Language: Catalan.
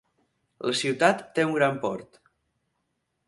La ciutat té un gran port.